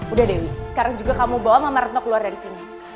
udah dewi sekarang juga kamu bawa mama retno keluar dari sini